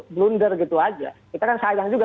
blunder gitu aja kita kan sayang juga